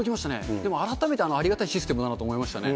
でも改めてありがたいシステムだなと思いましたね。